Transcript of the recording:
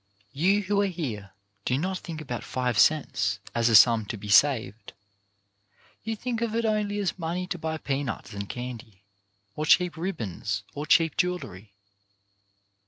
You who are here do not think about five cents as a sum to be saved. You think of it only as money to buy peanuts and candy, or cheap ribbons, or cheap jewellery.